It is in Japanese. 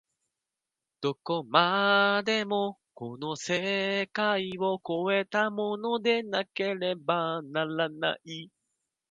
どこまでもこの世界を越えたものでなければならない。